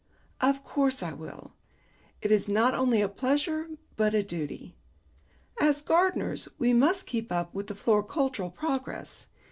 "Of course I will. It is not only a pleasure, but a duty. As gardeners we must keep up with floricultural progress.